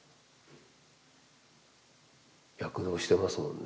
躍動してますもんね